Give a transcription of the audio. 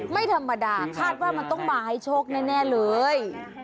ไม่ธรรมดาคาดว่ามันต้องมาให้โชคแน่เลย